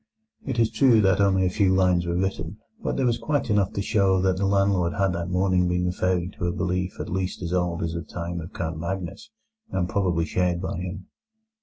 It is true that only a few lines were written, but there was quite enough to show that the landlord had that morning been referring to a belief at least as old as the time of Count Magnus, and probably shared by him.